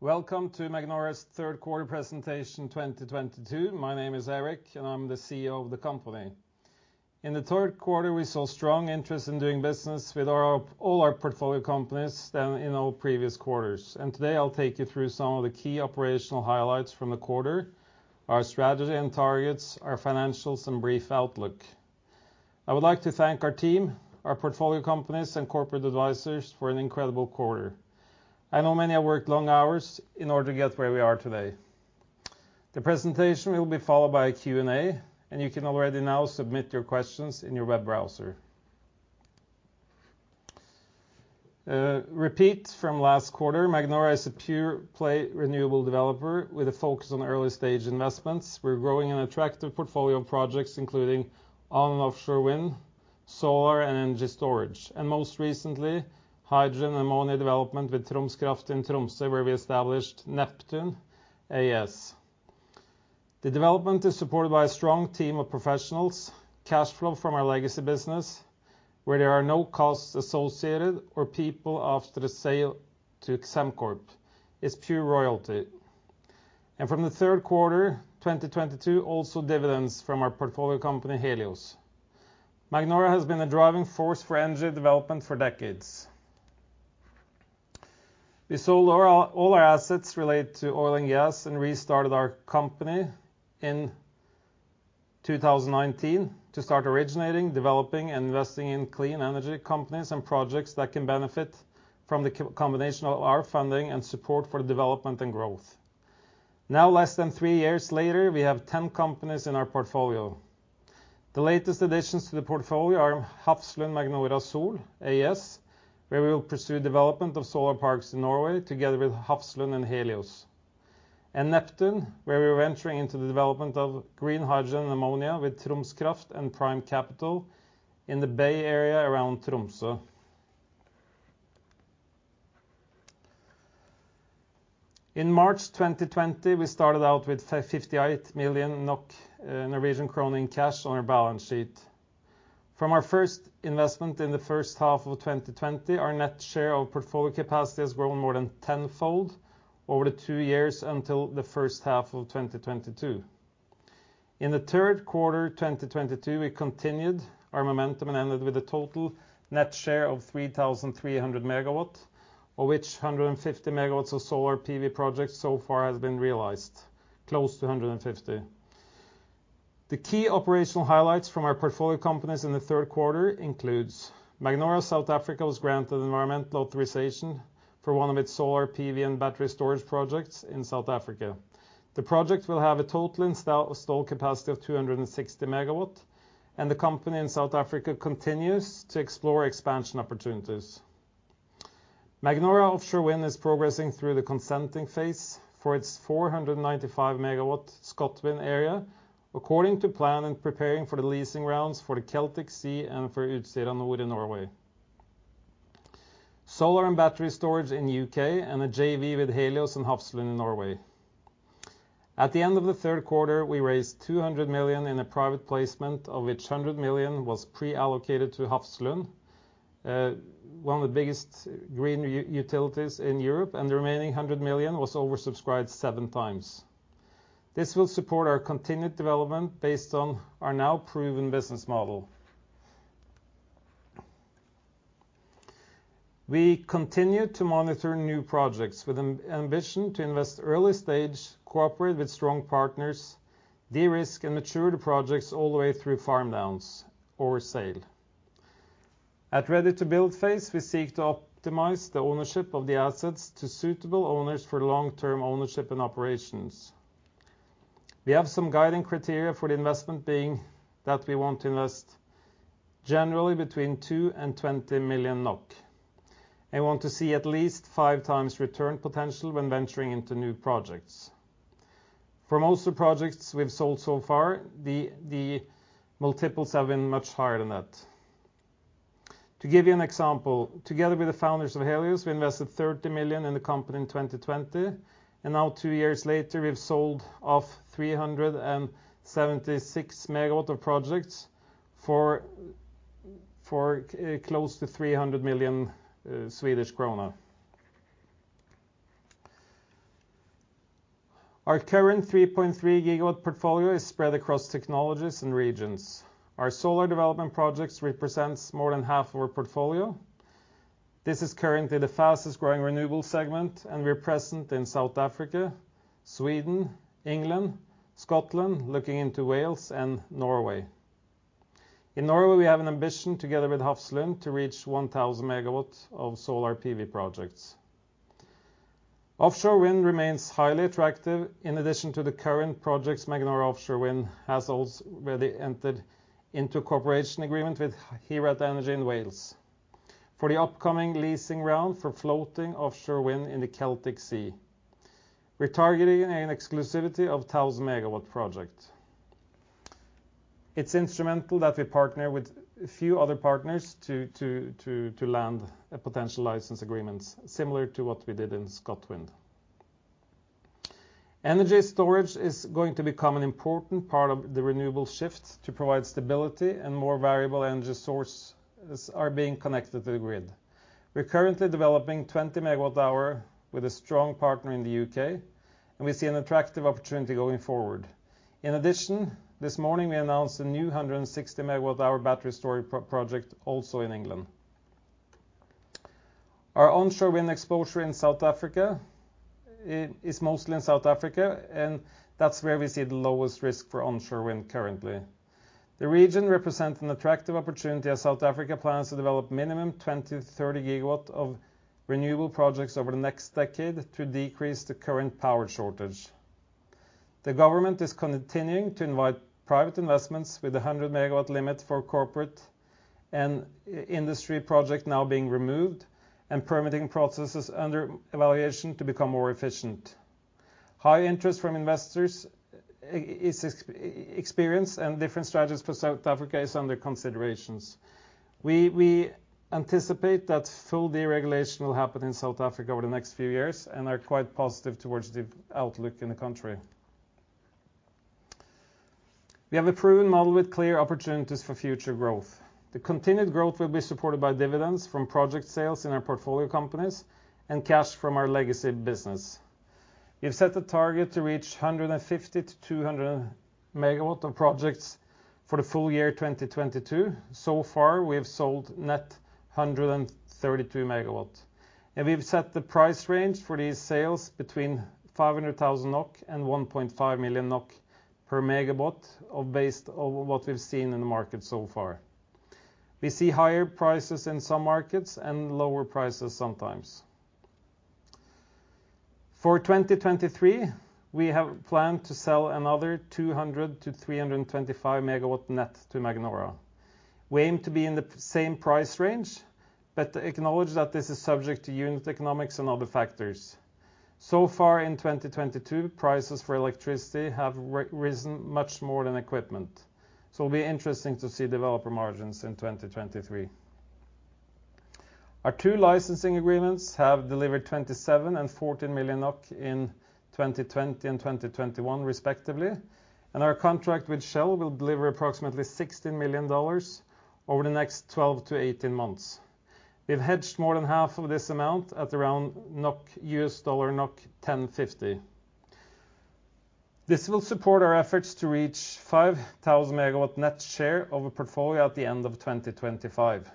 Welcome to Magnora's third quarter presentation 2022. My name is Erik Sneve, and I'm the CEO of the company. In the third quarter, we saw strong interest in doing business with all our portfolio companies than in all previous quarters. Today, I'll take you through some of the key operational highlights from the quarter, our strategy and targets, our financials, and brief outlook. I would like to thank our team, our portfolio companies, and corporate advisors for an incredible quarter. I know many have worked long hours in order to get where we are today. The presentation will be followed by a Q&A, and you can already now submit your questions in your web browser. Repeat from last quarter, Magnora is a pure-play renewable developer with a focus on early-stage investments. We're growing an attractive portfolio of projects, including onshore and offshore wind, solar and energy storage, and most recently, hydrogen and ammonia development with Troms Kraft in Tromsø, where we established Neptun AS. The development is supported by a strong team of professionals, cash flow from our legacy business, where there are no costs associated or people after the sale to XEM Corp. It's pure royalty. From the third quarter, 2022, also dividends from our portfolio company, Helios. Magnora has been a driving force for energy development for decades. We sold all our assets related to oil and gas and restarted our company in 2019 to start originating, developing, and investing in clean energy companies and projects that can benefit from the combination of our funding and support for development and growth. Now, less than three years later, we have 10 companies in our portfolio. The latest additions to the portfolio are Hafslund Magnora Sol AS, where we will pursue development of solar parks in Norway together with Hafslund and Helios. Neptun, where we're venturing into the development of green hydrogen and ammonia with Troms Kraft and Prime Capital in the Bay Area around Tromsø. In March 2020, we started out with 58 million NOK in cash on our balance sheet. From our first investment in the first half of 2020, our net share of portfolio capacity has grown more than tenfold over the two years until the first half of 2022. In the third quarter 2022, we continued our momentum and ended with a total net share of 3,300 MW, of which 150 MW of solar PV projects so far has been realized, close to 150. The key operational highlights from our portfolio companies in the third quarter includes Magnora South Africa was granted environmental authorization for one of its solar PV and battery storage projects in South Africa. The project will have a total installed capacity of 260 MW, and the company in South Africa continues to explore expansion opportunities. Magnora Offshore Wind is progressing through the consenting phase for its 495 MW ScotWind area, according to plan and preparing for the leasing rounds for the Celtic Sea and for Utsira Nord in Norway. Solar and battery storage in U.K. and a JV with Helios and Hafslund in Norway. At the end of the third quarter, we raised 200 million in a private placement of which 100 million was pre-allocated to Hafslund, one of the biggest green utilities in Europe, and the remaining 100 million was oversubscribed 7x. This will support our continued development based on our now proven business model. We continue to monitor new projects with an ambition to invest early stage, cooperate with strong partners, de-risk and mature the projects all the way through farm downs or sale. At Ready-to-Build phase, we seek to optimize the ownership of the assets to suitable owners for long-term ownership and operations. We have some guiding criteria for the investment being that we want to invest generally between 2 million-20 million NOK. I want to see at least 5x return potential when venturing into new projects. For most of the projects we've sold so far, the multiples have been much higher than that. To give you an example, together with the founders of Helios, we invested 30 million in the company in 2020, and now two years later, we've sold off 376 MW of projects for close to SEK 300 million. Our current 3.3 GW portfolio is spread across technologies and regions. Our solar development projects represents more than half of our portfolio. This is currently the fastest-growing renewable segment, and we're present in South Africa, Sweden, England, Scotland, looking into Wales and Norway. In Norway, we have an ambition together with Hafslund to reach 1,000 MW of solar PV projects. Offshore wind remains highly attractive. In addition to the current projects, Magnora Offshore Wind has also already entered into cooperation agreement with Hiraeth Energy in Wales for the upcoming leasing round for floating offshore wind in the Celtic Sea. We're targeting an exclusivity of 1,000-MW project. It's instrumental that we partner with a few other partners to land a potential license agreement similar to what we did in ScotWind. Energy storage is going to become an important part of the renewable shift to provide stability, and more variable energy sources are being connected to the grid. We're currently developing 20 MWh with a strong partner in the U.K., and we see an attractive opportunity going forward. In addition, this morning we announced a new 160 MWh battery storage project also in England. Our onshore wind exposure in South Africa is mostly in South Africa, and that's where we see the lowest risk for onshore wind currently. The region represents an attractive opportunity as South Africa plans to develop minimum 20-30 gigawatts of renewable projects over the next decade to decrease the current power shortage. The government is continuing to invite private investments with a 100-MW limit for corporate and industry projects now being removed and permitting processes under evaluation to become more efficient. High interest from investors is experienced, and different strategies for South Africa are under consideration. We anticipate that full deregulation will happen in South Africa over the next few years and are quite positive towards the outlook in the country. We have a proven model with clear opportunities for future growth. The continued growth will be supported by dividends from project sales in our portfolio companies and cash from our legacy business. We've set a target to reach 150-200 MW of projects for the full year 2022. So far, we have sold net 132 MW. We've set the price range for these sales between 500 thousand NOK and 1.5 million NOK per MW based on what we've seen in the market so far. We see higher prices in some markets and lower prices sometimes. For 2023, we have planned to sell another 200-325 MW net to Magnora. We aim to be in the same price range, but acknowledge that this is subject to unit economics and other factors. So far in 2022, prices for electricity have risen much more than equipment, so it'll be interesting to see developer margins in 2023. Our two licensing agreements have delivered 27 million and 14 million NOK in 2020 and 2021 respectively. Our contract with Shell will deliver approximately $16 million over the next 12-18 months. We've hedged more than half of this amount at around NOK/USD 10.50. This will support our efforts to reach 5,000 MW net share of a portfolio at the end of 2025.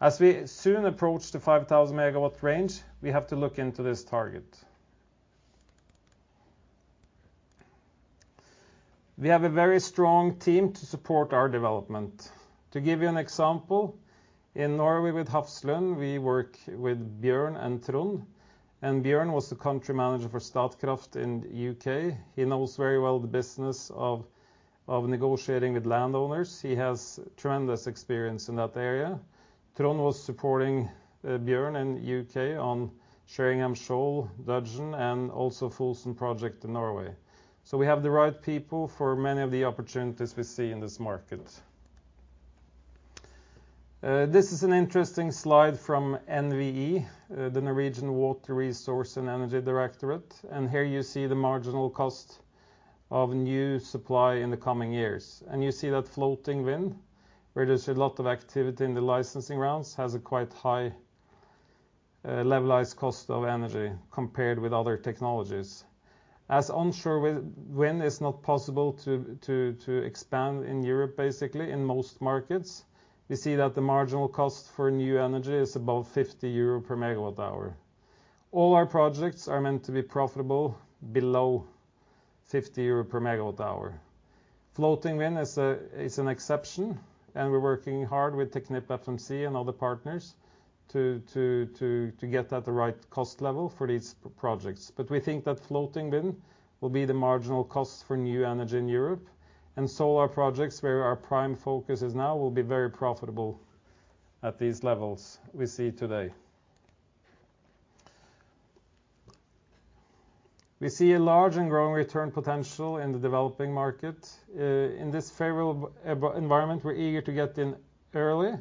As we soon approach the 5,000 MW range, we have to look into this target. We have a very strong team to support our development. To give you an example, in Norway with Hafslund, we work with Bjorn and Trond. Bjorn was the country manager for Statkraft in U.K. He knows very well the business of negotiating with landowners. He has tremendous experience in that area. Trond was supporting Bjorn in U.K. on Sheringham Shoal, Dudgeon, and also Fosen project in Norway. We have the right people for many of the opportunities we see in this market. This is an interesting slide from NVE, the Norwegian Water Resources and Energy Directorate. Here you see the marginal cost of new supply in the coming years. You see that floating wind, where there's a lot of activity in the licensing rounds, has a quite high levelized cost of energy compared with other technologies. As onshore wind is not possible to expand in Europe, basically in most markets, we see that the marginal cost for new energy is above 50 euro per MWh. All our projects are meant to be profitable below 50 euro per MWh. Floating wind is an exception, and we're working hard with TechnipFMC and other partners to get to the right cost level for these projects. We think that floating wind will be the marginal cost for new energy in Europe. Solar projects, where our prime focus is now, will be very profitable at these levels we see today. We see a large and growing return potential in the developing market. In this favorable environment, we're eager to get in early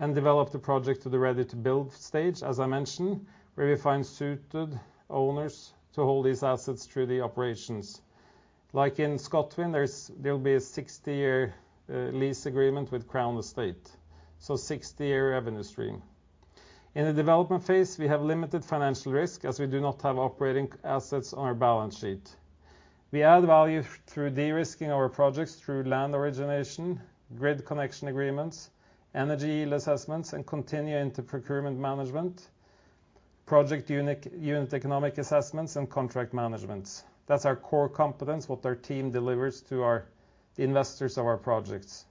and develop the project to the ready-to-build stage, as I mentioned, where we find suited owners to hold these assets through the operations. Like in ScotWind, there'll be a 60-year lease agreement with Crown Estate, so 60-year revenue stream. In the development phase, we have limited financial risk as we do not have operating assets on our balance sheet. We add value through de-risking our projects through land origination, grid connection agreements, energy yield assessments, and continue into procurement management, project unit economic assessments, and contract management. That's our core competence, what our team delivers to our investors of our projects.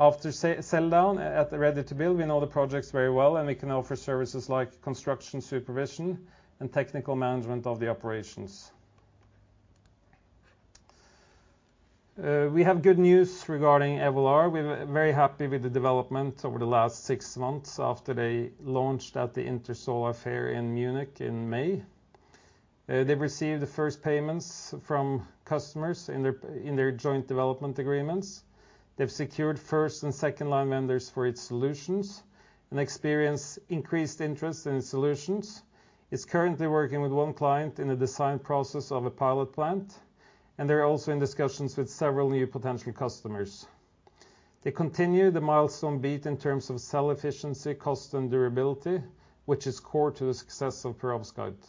After sell down at the ready-to-build, we know the projects very well, and we can offer services like construction supervision and technical management of the operations. We have good news regarding Evolar. We're very happy with the development over the last six months after they launched at the Intersolar fair in Munich in May. They've received the first payments from customers in their joint development agreements. They've secured first and second-line vendors for its solutions and experienced increased interest in solutions. It's currently working with one client in the design process of a pilot plant, and they're also in discussions with several new potential customers. They continue to beat milestones in terms of cell efficiency, cost, and durability, which is core to the success of perovskite.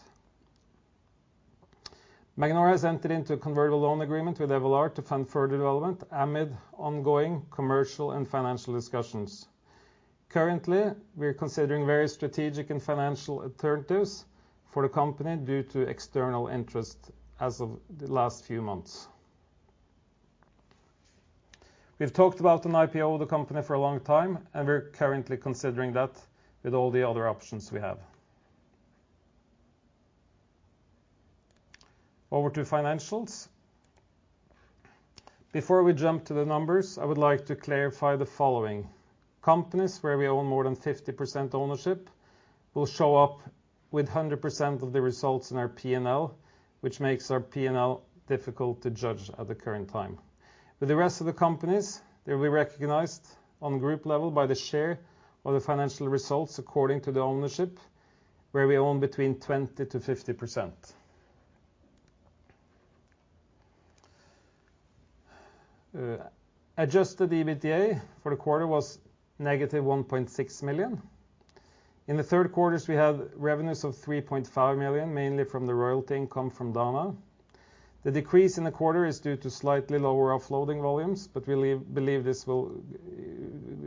Magnora has entered into a convertible loan agreement with Evolar to fund further development amid ongoing commercial and financial discussions. Currently, we are considering various strategic and financial alternatives for the company due to external interest as of the last few months. We've talked about an IPO of the company for a long time, and we're currently considering that with all the other options we have. Over to financials. Before we jump to the numbers, I would like to clarify the following. Companies where we own more than 50% ownership will show up with 100% of the results in our P&L, which makes our P&L difficult to judge at the current time. With the rest of the companies, they will be recognized on group level by the share of the financial results according to the ownership, where we own between 20%-50%. Adjusted EBITA for the quarter was -1.6 million. In the third quarters, we have revenues of 3.5 million, mainly from the royalty income from Dana. The decrease in the quarter is due to slightly lower offloading volumes, but we believe this will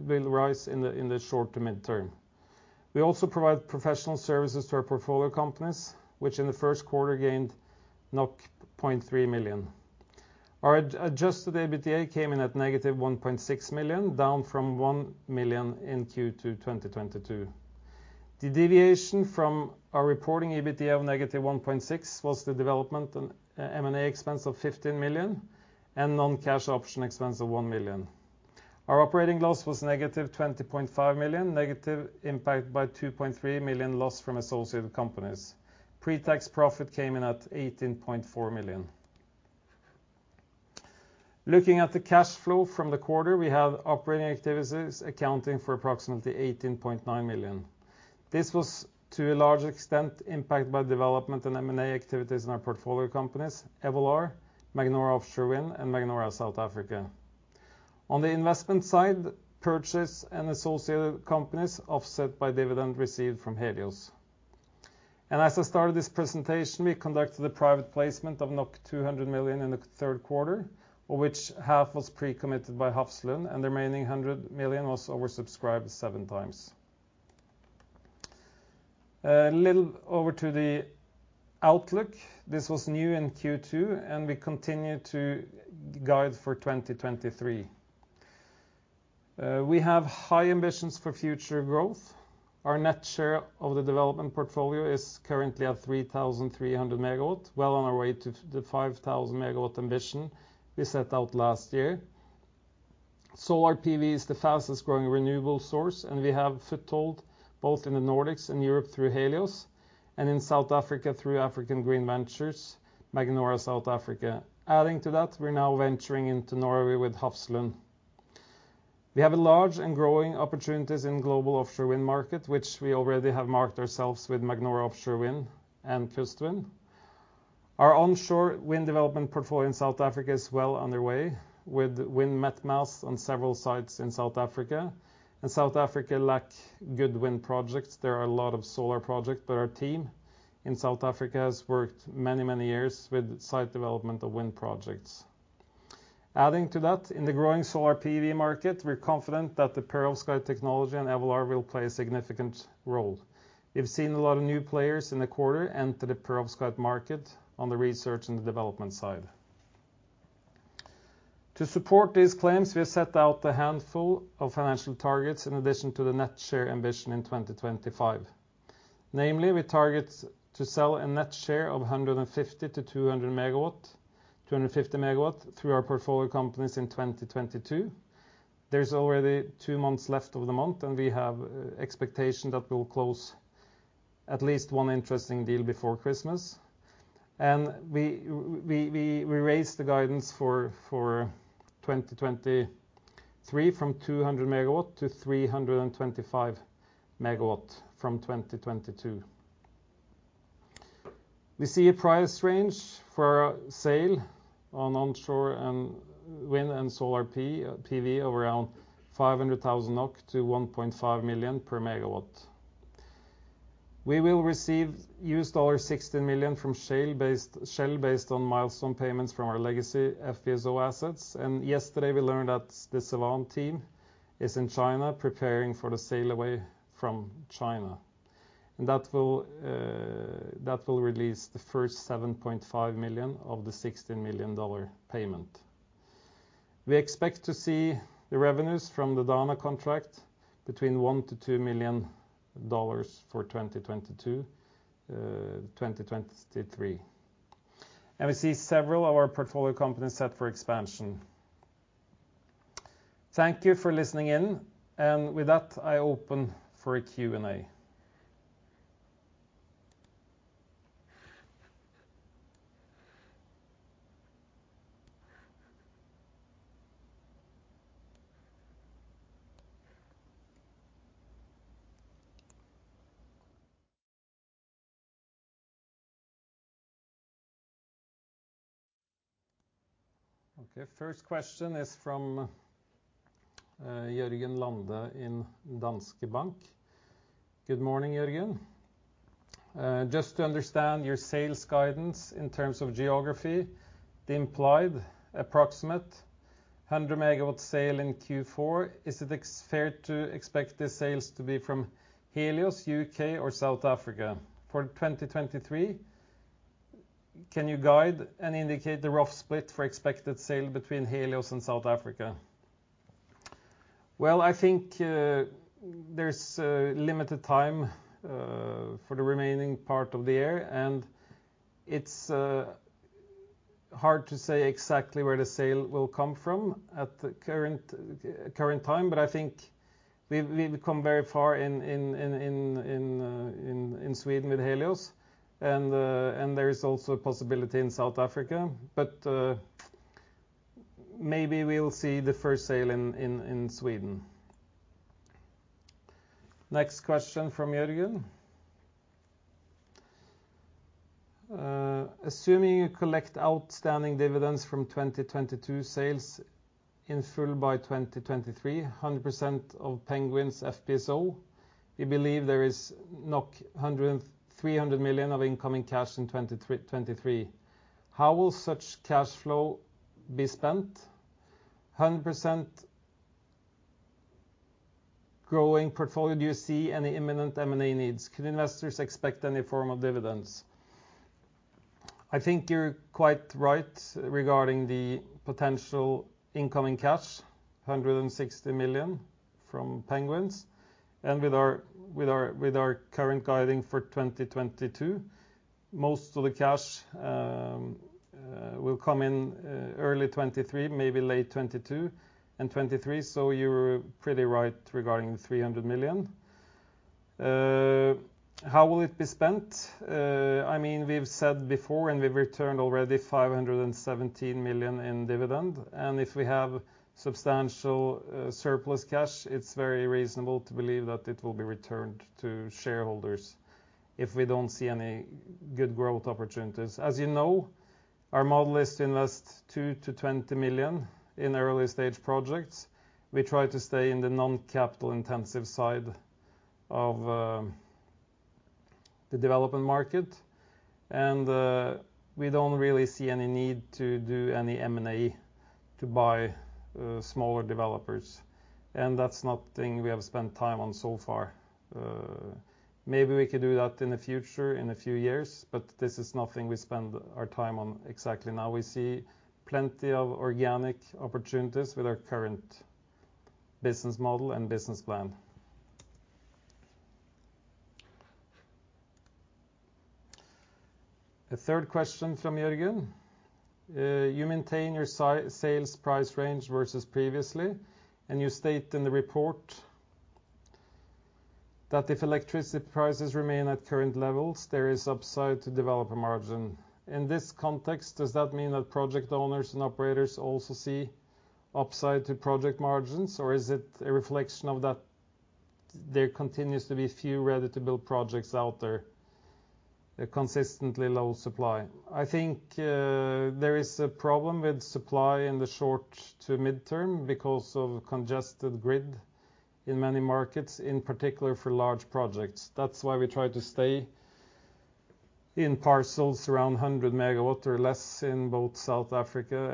rise in the short to mid-term. We also provide professional services to our portfolio companies, which in the first quarter gained 0.3 million. Our adjusted EBITA came in at -1.6 million, down from 1 million in Q2 2022. The deviation from our reporting EBITA of -1.6 million was the development and M&A expense of 15 million and non-cash option expense of 1 million. Our operating loss was -20.5 million, negative impact by 2.3 million loss from associated companies. Pre-tax profit came in at 18.4 million. Looking at the cash flow from the quarter, we have operating activities accounting for approximately 18.9 million. This was to a large extent impacted by development and M&A activities in our portfolio companies, Evolar, Magnora Offshore Wind, and Magnora South Africa. On the investment side, purchase and associated companies offset by dividend received from Helios. As I started this presentation, we conducted a private placement of 200 million in the third quarter, of which half was pre-committed by Hafslund, and the remaining 100 million was oversubscribed 7x. A little over to the outlook. This was new in Q2, and we continue to guide for 2023. We have high ambitions for future growth. Our net share of the development portfolio is currently at 3,300 MW, well on our way to the 5,000 MW ambition we set out last year. Solar PV is the fastest-growing renewable source, and we have foothold both in the Nordics and Europe through Helios and in South Africa through African Green Ventures, Magnora South Africa. Adding to that, we're now venturing into Norway with Hafslund. We have a large and growing opportunities in global offshore wind market, which we already have made our mark with Magnora Offshore Wind and Kustvind. Our onshore wind development portfolio in South Africa is well underway with wind met masts on several sites in South Africa. South Africa lack good wind projects. There are a lot of solar projects, but our team in South Africa has worked many years with site development of wind projects. Adding to that, in the growing solar PV market, we're confident that the perovskite technology and Evolar will play a significant role. We've seen a lot of new players in the quarter enter the perovskite market on the research and the development side. To support these claims, we have set out a handful of financial targets in addition to the net zero ambition in 2025. Namely, we target to sell a net share of 150-250 MW through our portfolio companies in 2022. There's already two months left of the year, and we have expectation that we'll close at least one interesting deal before Christmas. We raise the guidance for 2023 from 200 MW to 325 MW from 2022. We see a price range for sales of onshore wind and solar PV of around 500,000-1.5 million NOK per MW. We will receive $16 million from Shell based on milestone payments from our legacy FPSO assets. Yesterday, we learned that the Solheim team is in China preparing for the sail away from China. That will release the first $7.5 million of the $16 million payment. We expect to see the revenues from the Dana contract between $1 million-$2 million for 2022, 2023. We see several of our portfolio companies set for expansion. Thank you for listening in. With that, I open for a Q&A. Okay, first question is from Jørgen Lande in Danske Bank. Good morning, Jørgen. Just to understand your sales guidance in terms of geography, the implied approximate 100-MW sale in Q4, is it fair to expect the sales to be from Helios, U.K., or South Africa? For 2023, can you guide and indicate the rough split for expected sale between Helios and South Africa? Well, I think there's limited time for the remaining part of the year, and it's hard to say exactly where the sale will come from at the current time. I think we've come very far in Sweden with Helios and there is also a possibility in South Africa. Maybe we'll see the first sale in Sweden. Next question from Jørgen. Assuming you collect outstanding dividends from 2022 sales in full by 2023, 100% of Penguins FPSO, we believe there is 100-300 million of incoming cash in 2023. How will such cash flow be spent? 100% growing portfolio, do you see any imminent M&A needs? Can investors expect any form of dividends? I think you're quite right regarding the potential incoming cash, 160 million from Penguins. With our current guiding for 2022, most of the cash will come in early 2023, maybe late 2022 and 2023. You're pretty right regarding the 300 million. How will it be spent? I mean, we've said before, and we've returned already 517 million in dividend. If we have substantial surplus cash, it's very reasonable to believe that it will be returned to shareholders if we don't see any good growth opportunities. As you know, our model is to invest 2-20 million in early-stage projects. We try to stay in the non-capital intensive side of the development market. We don't really see any need to do any M&A to buy smaller developers. That's not a thing we have spent time on so far. Maybe we could do that in the future, in a few years, but this is not something we spend our time on exactly now. We see plenty of organic opportunities with our current business model and business plan. A third question from Jørgen. You maintain your sales price range versus previously, and you state in the report that if electricity prices remain at current levels, there is upside to developer margin. In this context, does that mean that project owners and operators also see upside to project margins, or is it a reflection of that there continues to be few Ready-to-Build projects out there, a consistently low supply? I think there is a problem with supply in the short to midterm because of congested grid in many markets, in particular for large projects. That's why we try to stay in parcels around 100 MW or less in both South Africa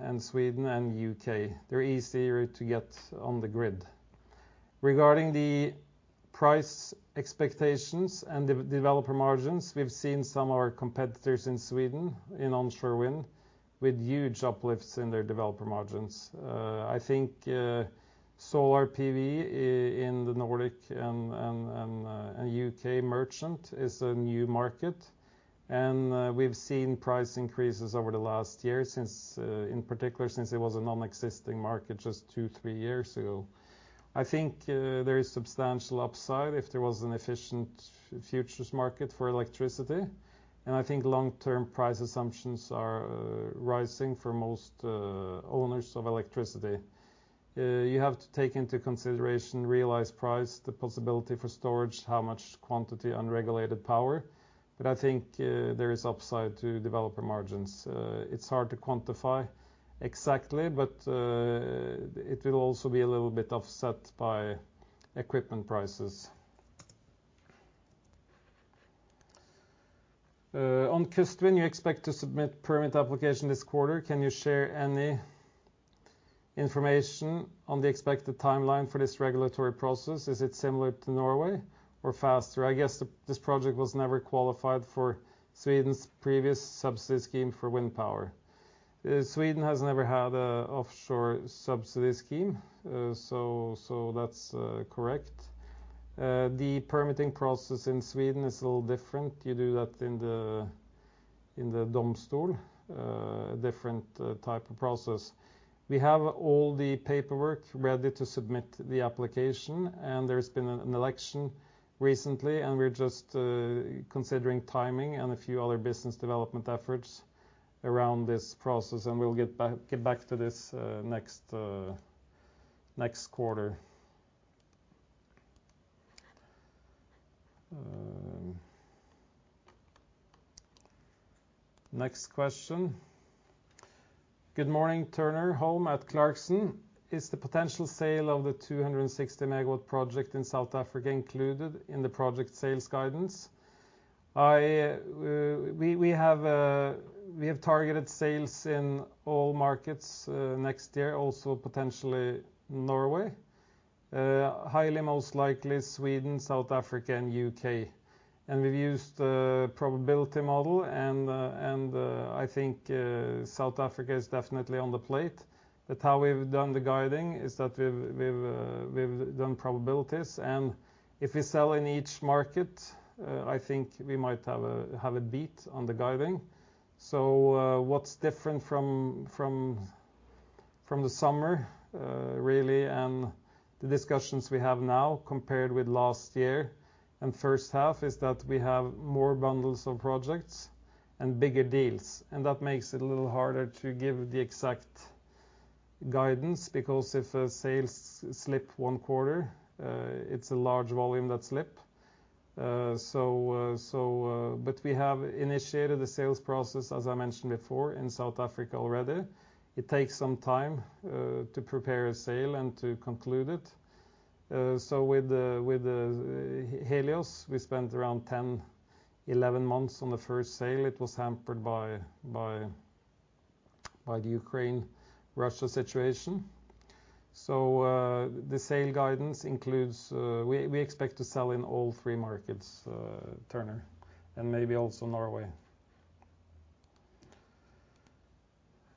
and Sweden and U.K. They're easier to get on the grid. Regarding the price expectations and developer margins, we've seen some of our competitors in Sweden in onshore wind with huge uplifts in their developer margins. I think solar PV in the Nordic and U.K. merchant is a new market, and we've seen price increases over the last year since, in particular since it was a non-existing market just two, three years ago. I think there is substantial upside if there was an efficient futures market for electricity, and I think long-term price assumptions are rising for most owners of electricity. You have to take into consideration realized price, the possibility for storage, how much quantity unregulated power, but I think there is upside to developer margins. It's hard to quantify exactly, but it will also be a little bit offset by equipment prices. On Kustvind, you expect to submit permit application this quarter. Can you share any information on the expected timeline for this regulatory process? Is it similar to Norway or faster? I guess this project was never qualified for Sweden's previous subsidy scheme for wind power. Sweden has never had an offshore subsidy scheme, so that's correct. The permitting process in Sweden is a little different. You do that in the domstol, different type of process. We have all the paperwork ready to submit the application, and there's been an election recently, and we're just considering timing and a few other business development efforts around this process, and we'll get back to this next quarter. Next question. Good morning, Turner Holm at Clarksons. Is the potential sale of the 260-MW project in South Africa included in the project sales guidance? We have targeted sales in all markets next year, also potentially Norway. Highly most likely Sweden, South Africa and U.K. and we've used the probability model and I think South Africa is definitely on the plate. How we've done the guiding is that we've done probabilities. If we sell in each market, I think we might have a beat on the guiding. What's different from the summer, really, and the discussions we have now compared with last year and first half, is that we have more bundles of projects and bigger deals. That makes it a little harder to give the exact guidance, because if sales slip one quarter, it's a large volume that slip. But we have initiated the sales process, as I mentioned before, in South Africa already. It takes some time to prepare a sale and to conclude it. With the Helios, we spent around 10-11 months on the first sale. It was hampered by the Ukraine-Russia situation. The sales guidance includes we expect to sell in all three markets, Turner, and maybe also Norway.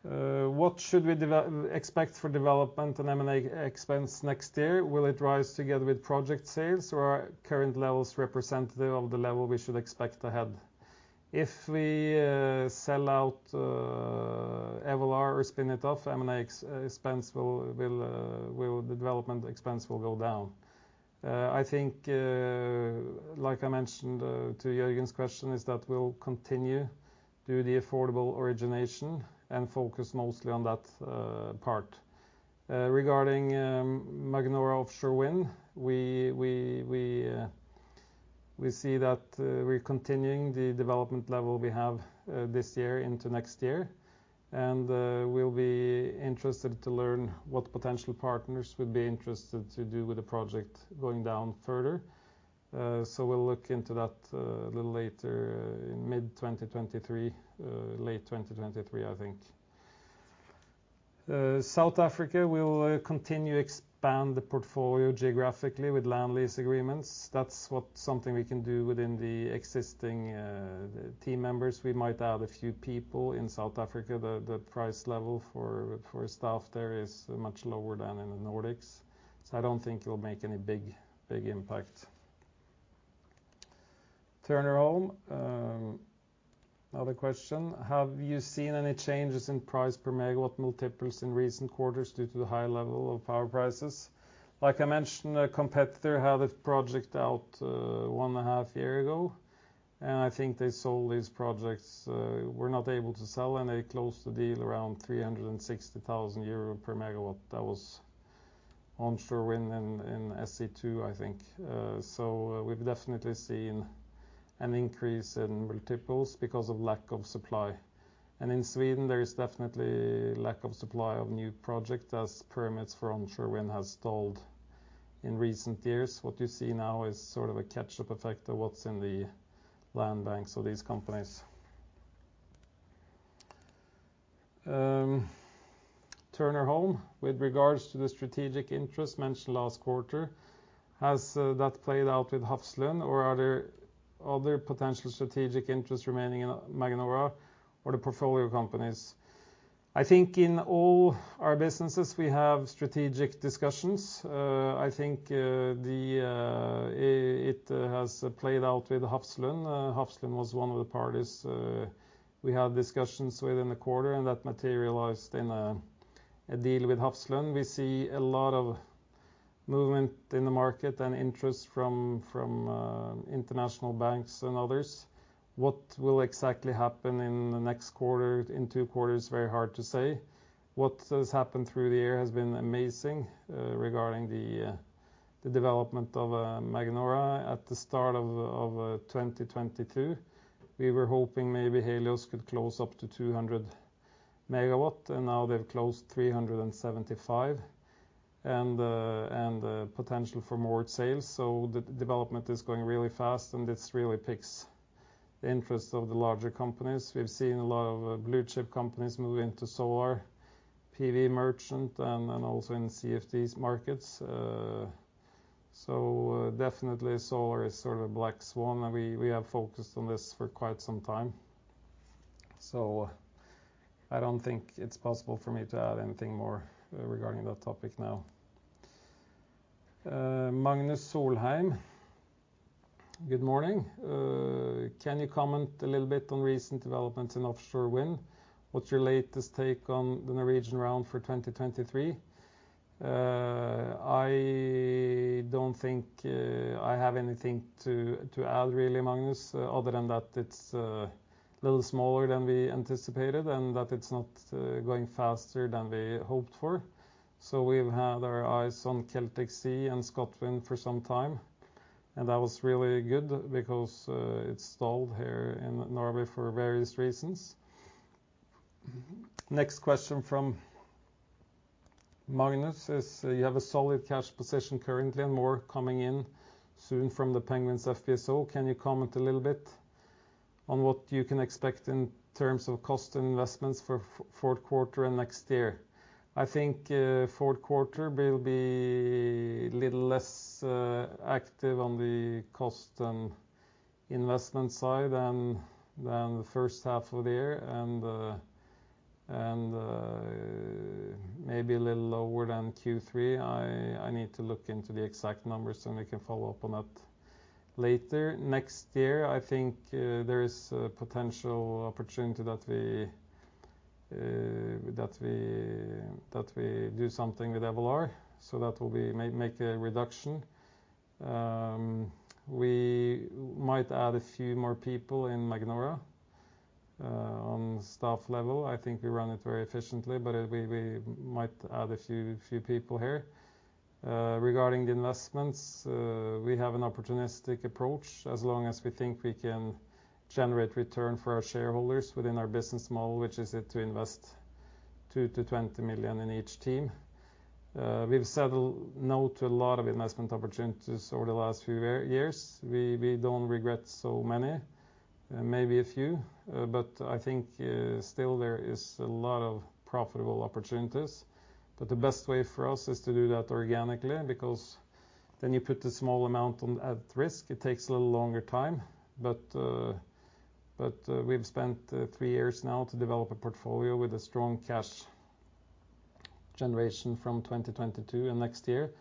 What should we expect for development and M&A expense next year? Will it rise together with project sales or are current levels representative of the level we should expect ahead? If we sell out Evolar or spin it off, the development expense will go down. I think, like I mentioned to Jørgen's question, is that we'll continue do the affordable origination and focus mostly on that part. Regarding Magnora Offshore Wind, we see that we're continuing the development level we have this year into next year. We'll be interested to learn what potential partners would be interested to do with the project going down further. We'll look into that a little later in mid 2023, late 2023, I think. South Africa, we'll continue to expand the portfolio geographically with land lease agreements. That's something we can do within the existing team members. We might add a few people in South Africa. The price level for staff there is much lower than in the Nordics. I don't think it will make any big impact. Turner Holm, another question. Have you seen any changes in price per MW multiples in recent quarters due to the high level of power prices? Like I mentioned, a competitor had a project out, one and a half year ago, and I think they were not able to sell and they closed the deal around 360,000 euro per MW. That was onshore wind in SE2, I think. We've definitely seen an increase in multiples because of lack of supply. In Sweden there is definitely lack of supply of new project as permits for onshore wind has stalled in recent years. What you see now is sort of a catch-up effect of what's in the land banks of these companies. Turner Holm, with regards to the strategic interest mentioned last quarter, has that played out with Hafslund or are there other potential strategic interests remaining in Magnora or the portfolio companies? I think in all our businesses we have strategic discussions. I think it has played out with Hafslund. Hafslund was one of the parties we had discussions with in the quarter and that materialized in a deal with Hafslund. We see a lot of movement in the market and interest from international banks and others. What will exactly happen in the next quarter, in two quarters, very hard to say. What has happened through the year has been amazing, regarding the development of Magnora. At the start of 2022, we were hoping maybe Helios could close up to 200 MW, and now they've closed 375. Potential for more sales. The development is going really fast, and this really piques the interest of the larger companies. We've seen a lot of blue chip companies move into solar PV merchant and also in CfD markets. Definitely solar is sort of black swan and we have focused on this for quite some time. I don't think it's possible for me to add anything more regarding that topic now. Magnus Solheim. Good morning. Can you comment a little bit on recent developments in offshore wind? What's your latest take on the Norwegian round for 2023? I don't think I have anything to add really, Magnus, other than that it's a little smaller than we anticipated and that it's not going faster than we hoped for. We've had our eyes on Celtic Sea and Scotland for some time, and that was really good because it stalled here in Norway for various reasons. Next question from Magnus Solheim is, you have a solid cash position currently and more coming in soon from the Penguins FPSO. Can you comment a little bit on what you can expect in terms of cost and investments for fourth quarter and next year? I think fourth quarter will be a little less active on the cost and investment side than the first half of the year and maybe a little lower than Q3. I need to look into the exact numbers, and we can follow up on that later. Next year, I think there is a potential opportunity that we do something with Evolar, so that will make a reduction. We might add a few more people in Magnora on staff level. I think we run it very efficiently, but we might add a few people here. Regarding the investments, we have an opportunistic approach. As long as we think we can generate return for our shareholders within our business model, which is to invest 2-20 million in each team. We've said no to a lot of investment opportunities over the last few years. We don't regret so many, maybe a few, but I think still there is a lot of profitable opportunities. The best way for us is to do that organically because then you put a small amount at risk. It takes a little longer time, but we've spent three years now to develop a portfolio with a strong cash generation from 2022 and next year.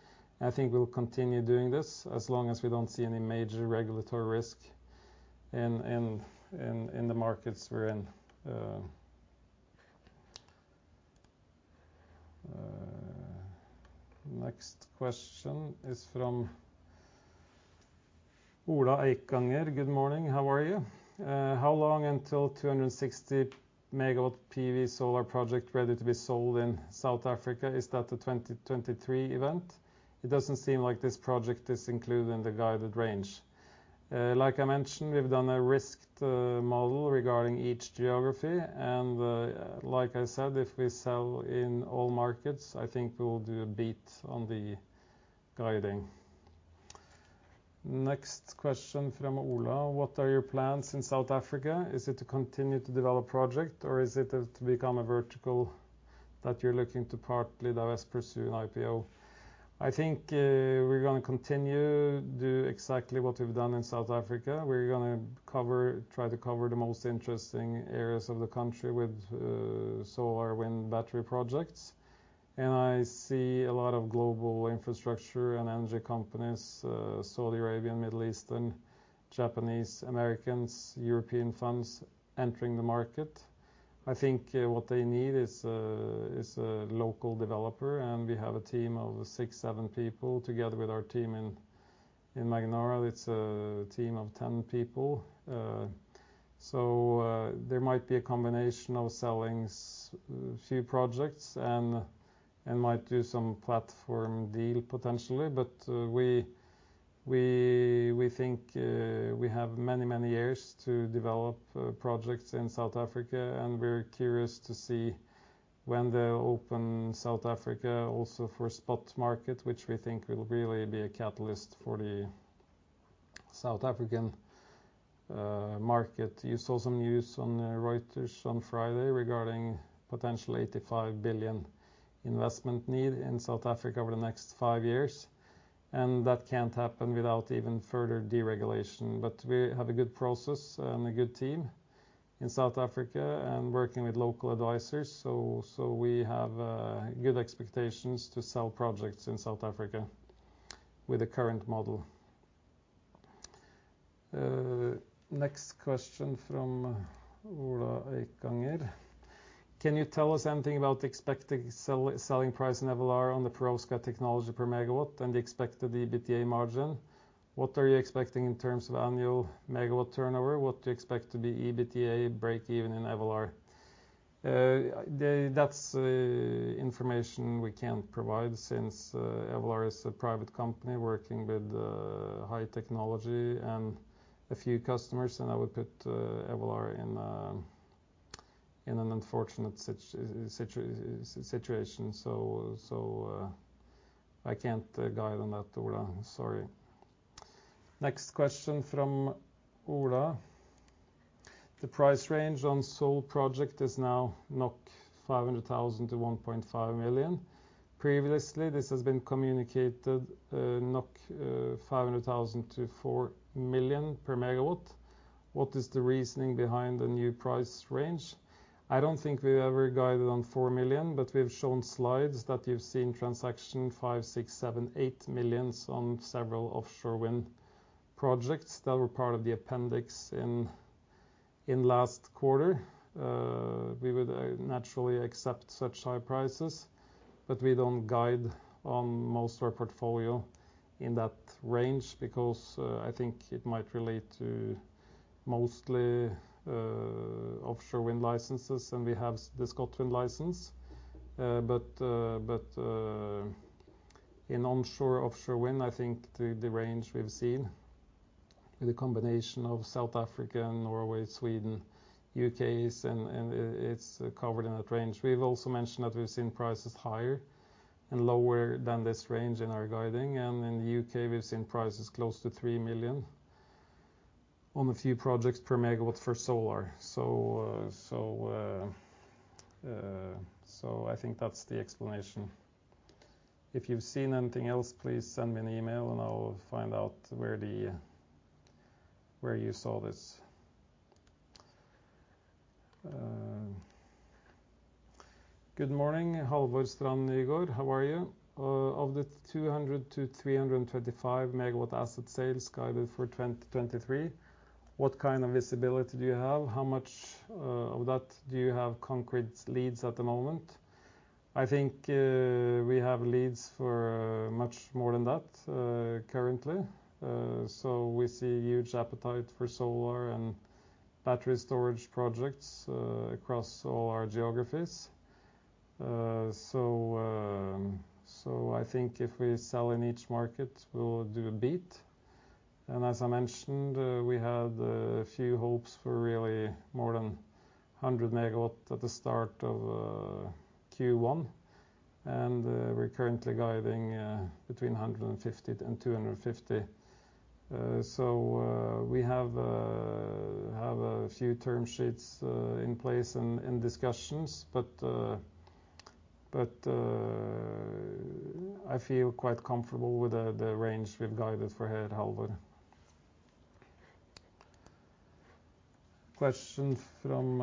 I think we'll continue doing this as long as we don't see any major regulatory risk in the markets we're in. Next question is from Ola Ekanger. Good morning. How are you? How long until 260 MW PV solar project ready to be sold in South Africa? Is that a 2023 event? It doesn't seem like this project is included in the guided range. Like I mentioned, we've done a risked model regarding each geography and like I said, if we sell in all markets, I think we will do a bit on the guiding. Next question from Ola: What are your plans in South Africa? Is it to continue to develop project or is it to become a vertical that you're looking to partly divest pursue an IPO? I think, we're gonna continue to do exactly what we've done in South Africa. We're gonna try to cover the most interesting areas of the country with solar wind battery projects. I see a lot of global infrastructure and energy companies, Saudi Arabian, Middle Eastern, Japanese, Americans, European funds entering the market. I think, what they need is a local developer, and we have a team of six to seven people together with our team in Magnora. It's a team of 10 people. There might be a combination of selling a few projects and might do some platform deal potentially. We think we have many years to develop projects in South Africa, and we're curious to see when they open South Africa also for spot market, which we think will really be a catalyst for the South African market. You saw some news on Reuters on Friday regarding potential 85 billion investment need in South Africa over the next five years, and that can't happen without even further deregulation. We have a good process and a good team in South Africa and working with local advisors. We have good expectations to sell projects in South Africa with the current model. Next question from Ola Ekanger: Can you tell us anything about expected selling price in Evolar on the perovskite technology per MW and the expected EBITDA margin? What are you expecting in terms of annual MW turnover? What do you expect to be EBITDA breakeven in Evolar? That's information we can't provide since Evolar is a private company working with high technology and a few customers, and I would put Evolar in an unfortunate situation. I can't guide on that, Ola. Sorry. Next question from Ola: The price range on solar project is now 500,000-1.5 million. Previously, this has been communicated 500,000-4 million per MW. What is the reasoning behind the new price range? I don't think we've ever guided on 4 million, but we've shown slides that you've seen transactions of 5 million, 6 million, 7 million, 8 million on several offshore wind projects that were part of the appendix in last quarter. We would naturally accept such high prices, but we don't guide on most of our portfolio in that range because I think it might relate to mostly offshore wind licenses, and we have the ScotWind license. In onshore offshore wind, I think the range we've seen with a combination of South Africa, Norway, Sweden, U.K. is, and it's covered in that range. We've also mentioned that we've seen prices higher and lower than this range in our guiding. In the U.K., we've seen prices close to 3 million on a few projects per MW for solar. I think that's the explanation. If you've seen anything else, please send me an email and I'll find out where you saw this. Good morning, Halvor Strand Nygård (. How are you? Of the 200-335 MW asset sales guided for 2023, what kind of visibility do you have? How much of that do you have concrete leads at the moment? I think we have leads for much more than that currently. We see huge appetite for solar and battery storage projects across all our geographies. I think if we sell in each market, we'll do a bit. As I mentioned, we had a few hopes for really more than 100 MW at the start of Q1. We're currently guiding between 150 and 250. We have a few term sheets in place in discussions. I feel quite comfortable with the range we've guided for here, Halvor. Question from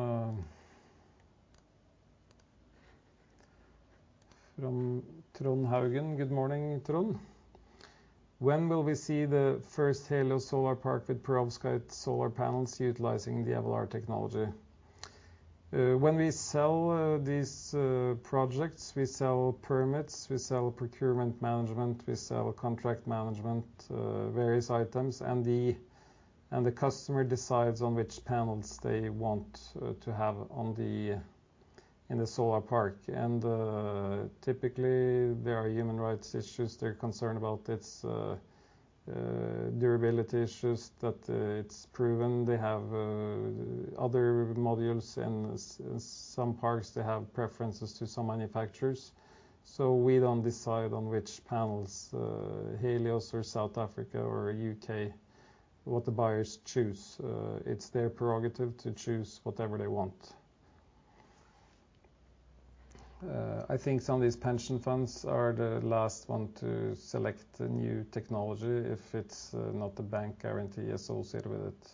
Trond Haugen. Good morning, Trond. When will we see the first Helios solar park with perovskite solar panels utilizing the Evolar technology? When we sell these projects, we sell permits, we sell procurement management, we sell contract management, various items. The customer decides on which panels they want to have in the solar park. Typically, there are human rights issues they're concerned about. It's durability issues that it's proven. They have other modules in some parts. They have preferences to some manufacturers. We don't decide on which panels, Helios or South Africa or U.K., what the buyers choose. It's their prerogative to choose whatever they want. I think some of these pension funds are the last one to select the new technology if it's not the bank guarantee associated with it.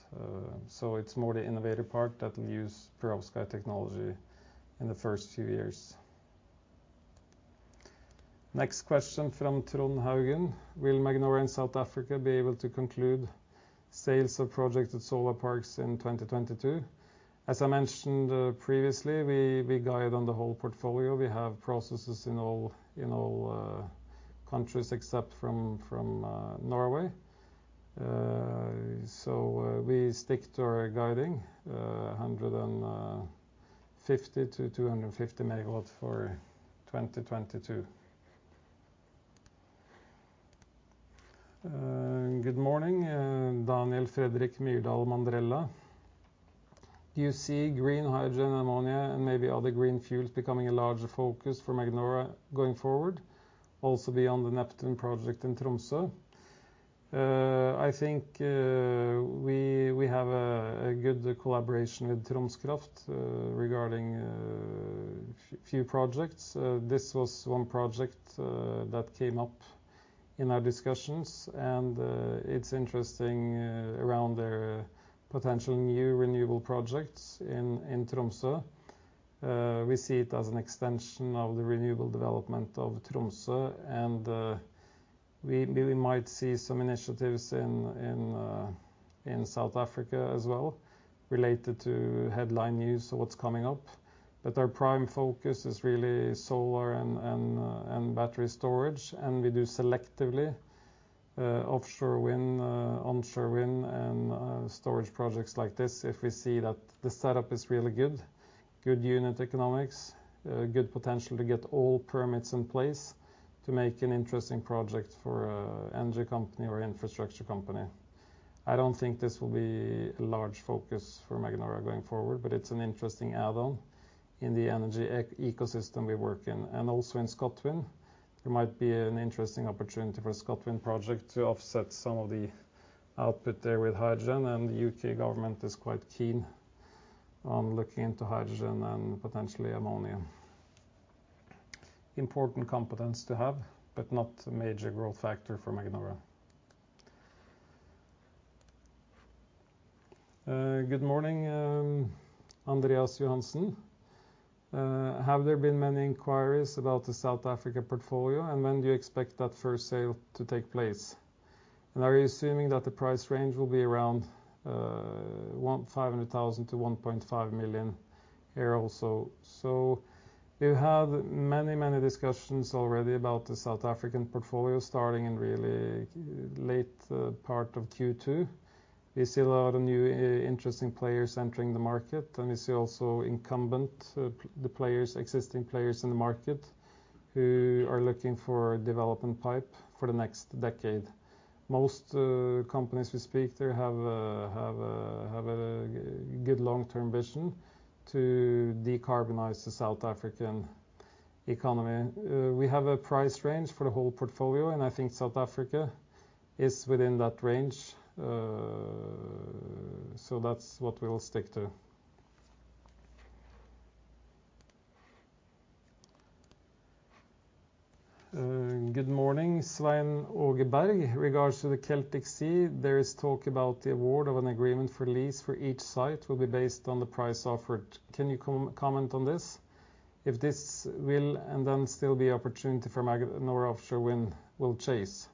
It's more the innovative part that will use perovskite technology in the first few years. Next question from Trond Haugen. Will Magnora in South Africa be able to conclude sales of projects at solar parks in 2022? As I mentioned previously, we guide on the whole portfolio. We have processes in all countries except from Norway. We stick to our guiding 150-250 MWs for 2022. Good morning, Daniel Fredrik Myrdal Mandrella. Do you see green hydrogen, ammonia, and maybe other green fuels becoming a larger focus for Magnora going forward, also beyond the Neptun project in Tromsø? I think we have a good collaboration with Troms Kraft regarding a few projects. This was one project that came up in our discussions, and it's interesting around their potential new renewable projects in Tromsø. We see it as an extension of the renewable development of Tromsø, and we might see some initiatives in South Africa as well related to headline news of what's coming up. Our prime focus is really solar and battery storage, and we do selectively offshore wind, onshore wind and storage projects like this if we see that the setup is really good. Good unit economics, good potential to get all permits in place to make an interesting project for energy company or infrastructure company. I don't think this will be a large focus for Magnora going forward, but it's an interesting add-on in the energy ecosystem we work in. Also in ScotWind, there might be an interesting opportunity for a ScotWind project to offset some of the output there with hydrogen. The U.K. government is quite keen on looking into hydrogen and potentially ammonia. Important competence to have, but not a major growth factor for Magnora. Good morning, Jørgen Andreas Lande. Have there been many inquiries about the South Africa portfolio, and when do you expect that first sale to take place? Are you assuming that the price range will be around 500,000-NOK 1.5 million here also. We have many discussions already about the South African portfolio starting in really late part of Q2. We see a lot of new interesting players entering the market, and we see also incumbent players, existing players in the market who are looking for development pipeline for the next decade. Most companies we speak to have a good long-term vision to decarbonize the South African economy. We have a price range for the whole portfolio, and I think South Africa is within that range. So that's what we'll stick to. Good morning, Sven Ogeberg. Regarding the Celtic Sea, there is talk about the award of an agreement for lease for each site will be based on the price offered. Can you comment on this? If this will and then still be opportunity for Magnora Offshore Wind will chase.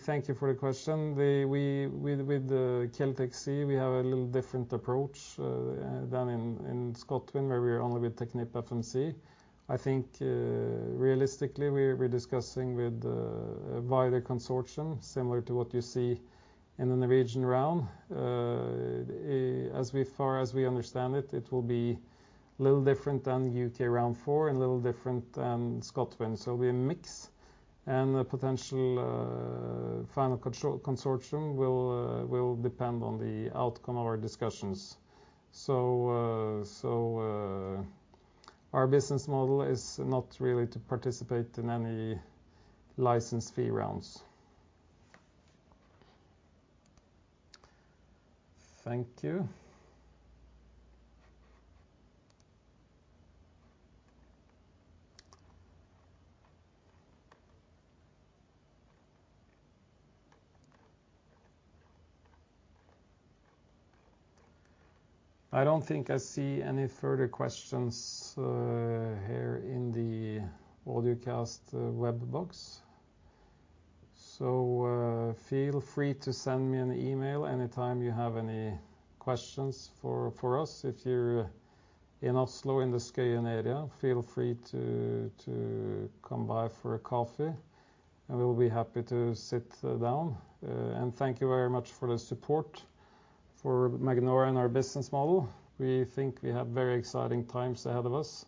Thank you for the question. With the Celtic Sea, we have a little different approach than in Scotland, where we're only with TechnipFMC. I think realistically, we're discussing with a wider consortium, similar to what you see in the Norwegian round. As far as we understand it will be a little different than U.K. Round 4 and a little different than ScotWind. It will be a mix and a potential final consortia will depend on the outcome of our discussions. Our business model is not really to participate in any license fee rounds. Thank you. I don't think I see any further questions here in the audiocast web box. Feel free to send me an email anytime you have any questions for us. If you're in Oslo in the Skøyen area, feel free to come by for a coffee, and we'll be happy to sit down. Thank you very much for the support for Magnora and our business model. We think we have very exciting times ahead of us,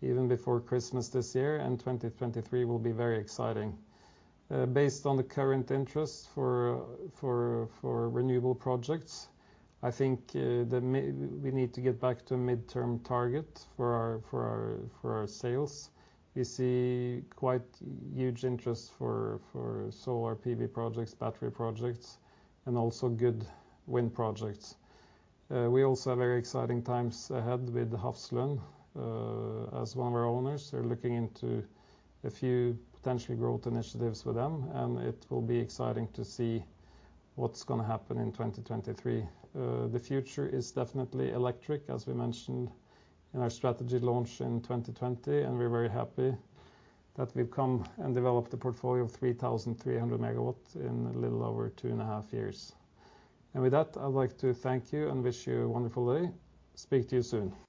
even before Christmas this year, and 2023 will be very exciting. Based on the current interest for renewable projects, I think we need to get back to midterm target for our sales. We see quite huge interest for solar PV projects, battery projects, and also good wind projects. We also have very exciting times ahead with Hafslund as one of our owners. We're looking into a few potential growth initiatives with them, and it will be exciting to see what's gonna happen in 2023. The future is definitely electric, as we mentioned in our strategy launch in 2020, and we're very happy that we've come and developed a portfolio of 3,300 MWs in a little over 2.5 years. With that, I'd like to thank you and wish you a wonderful day. Speak to you soon.